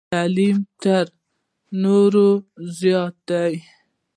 تعلیم یې تر نورو زیات دی.